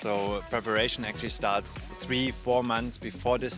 jadi persiapan sebenarnya mulai tiga empat bulan sebelum hari ini